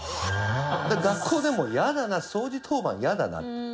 学校でも嫌だな掃除当番嫌だな。